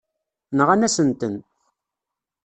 Nɣan-asen-ten.